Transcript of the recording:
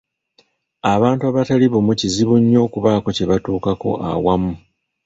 Abantu abatali bumu kizibu nnyo okubaako kye batuukako awamu.